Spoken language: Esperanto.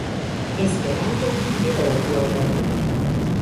Esperanto-videoblogon